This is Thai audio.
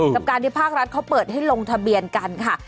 กับการที่ภาครัฐเขาเปิดให้ลงทะเบียนกันค่ะ